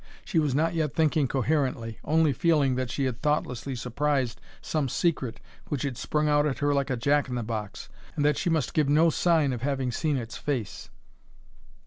She was not yet thinking coherently, only feeling that she had thoughtlessly surprised some secret, which had sprung out at her like a jack in the box, and that she must give no sign of having seen its face.